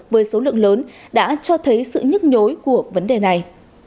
với số lượng lớn đã cho thấy sự nhức nhối của vấn đề này